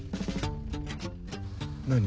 何？